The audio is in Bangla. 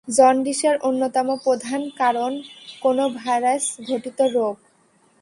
জন্ডিসের অন্যতম প্রধান কারণ কোন ভাইরাস ঘটিত রোগ?